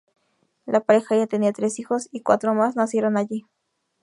La pareja ya tenía tres hijos, y cuatro más nacieron allí.